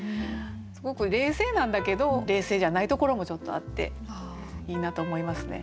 すごく冷静なんだけど冷静じゃないところもちょっとあっていいなと思いますね。